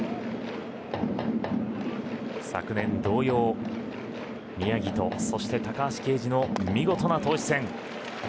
昨年同様宮城とそして高橋奎二の見事な投手戦。